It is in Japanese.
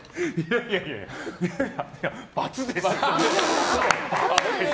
いやいや。×ですよ！